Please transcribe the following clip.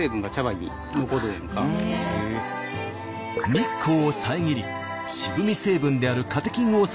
日光を遮り渋み成分であるカテキンを抑える